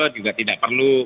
juga tidak perlu